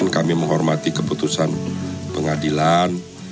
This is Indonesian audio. kami menghormati keputusan pengadilan